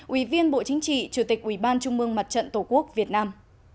ủy viên bộ chính trị chủ tịch ủy ban trung mương mặt trận tổ quốc việt nam